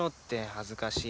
恥ずかしいし。